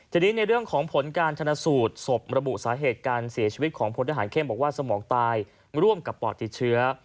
ทีนี้ในเรื่องของผลการชนะสูตรศพระบุสาเหตุการเสียชีวิตของพลทหารเข้มบอกว่าสมองตายร่วมกับปอดติดเชื้อ